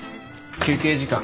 休憩時間。